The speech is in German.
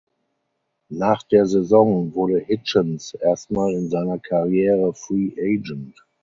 Nach der Saison wurde Hitchens erstmals in seiner Karriere Free Agent.